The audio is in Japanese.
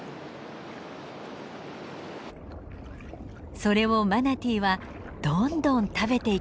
それをマナティーはどんどん食べていきます。